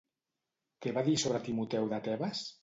Què va dir sobre Timoteu de Tebes?